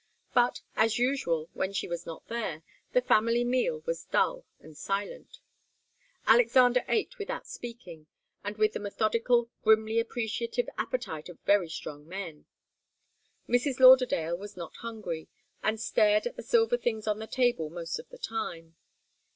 But, as usual, when she was not there, the family meal was dull and silent. Alexander ate without speaking, and with the methodical, grimly appreciative appetite of very strong men. Mrs. Lauderdale was not hungry, and stared at the silver things on the table most of the time.